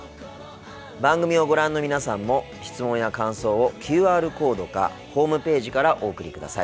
番組をご覧の皆さんも質問や感想をＱＲコードかホームページからお送りください。